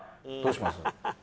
どうします？